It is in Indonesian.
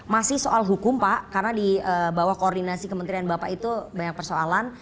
masih soal hukum pak karena di bawah koordinasi kementerian bapak itu banyak persoalan